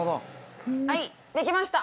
はいできました！